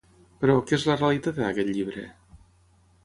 Però, què és la realitat en aquest llibre?